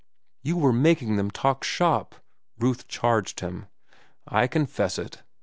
"You were making them talk shop," Ruth charged him. "I confess it.